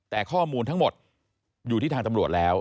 แต่ข้อมูลทั้งหมดอยู่ที่ทางตำรวจแล้ว